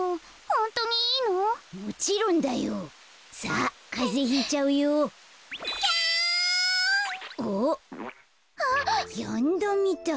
あっやんだみたい。